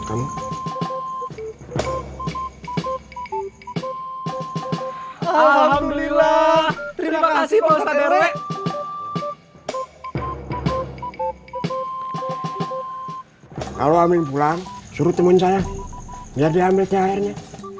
kalau amin pulang suruh temen saya biar diambil tiang airnya